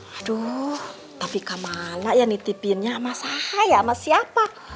aduh tapi kemana ya nitipinnya sama saya sama siapa